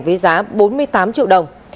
với giá bốn mươi tám triệu đồng